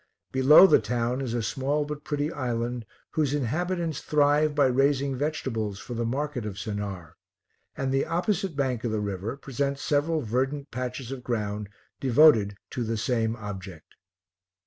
Below the town is a small but pretty island, whose inhabitants thrive by raising vegetables for the market of Sennaar; and the opposite bank of the river, presents several verdant patches of ground devoted to the same object.